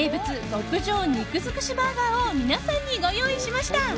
極上肉づくしバーガーを皆さんに、ご用意しました。